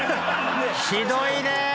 ひどいね。